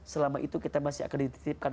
selama itu kita masih akan dititipkan